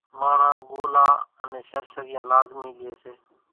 ماڻۿان ڳولا انين شرشريان لازمي لئي سي۔